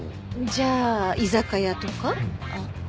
じゃあ居酒屋とか？